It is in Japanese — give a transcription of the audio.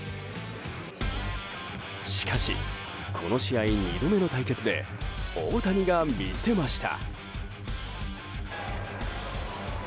しかし、この試合２度目の対決で大谷が見せました。